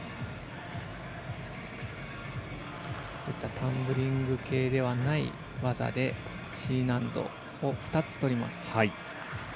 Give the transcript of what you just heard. タンブリング系ではない技でＣ難度を２つとります。